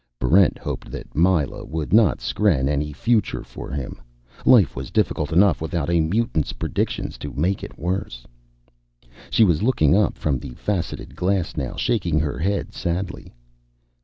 Barrent hoped that Myla wouldn't skren any future for him. Life was difficult enough without a mutant's predictions to make it worse. She was looking up from the faceted glass now, shaking her head sadly.